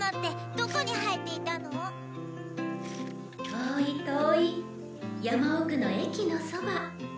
遠い遠い山奥の駅のそば。